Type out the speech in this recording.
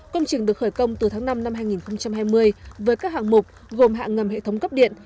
công trình được khởi công từ tháng năm năm hai nghìn hai mươi với các hạng mục gồm hạng ngầm hệ thống cấp điện